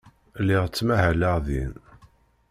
Lliɣ ttmahaleɣ din.